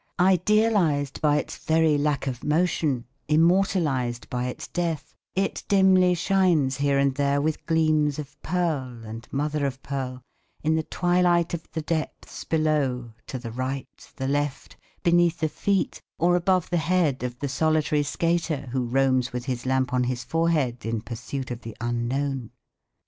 Idealised by its very lack of motion, immortalised by its death, it dimly shines here and there with gleams of pearl and mother of pearl in the twilight of the depths below, to the right, the left, beneath the feet or above the head of the solitary skater who roams with his lamp on his forehead in pursuit of the unknown.